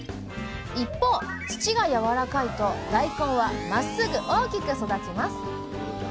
一方土がやわらかいと大根はまっすぐ大きく育ちます。